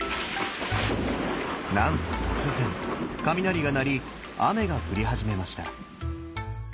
なんと突然雷が鳴り雨が降り始めました。